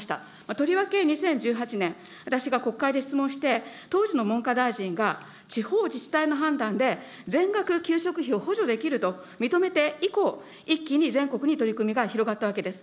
とりわけ２０１８年、私が国会で質問をして、当時の文科大臣が地方自治体の判断で全額給食費を補助できると認めて以降、一気に全国に取り組みが広がったわけです。